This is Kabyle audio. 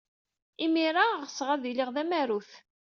Imir-a, ɣseɣ ad iliɣ d tamarut.